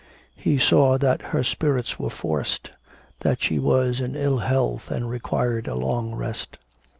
He saw that her spirits were forced, that she was in ill health, and required a long rest.